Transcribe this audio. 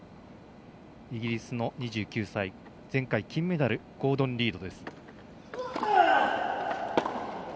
イギリスの２９歳前回金メダル、ゴードン・リード。